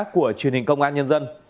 của truyền hình công an nhân dân